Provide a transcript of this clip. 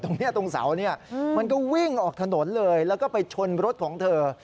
ตรงนี้ตรงเสาเนี่ยมันก็วิ่งออกถนนเลยแล้วก็ไปชนรถของเธอ